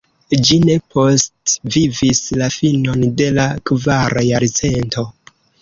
Ĝi ne postvivis la finon de la kvara jarcento.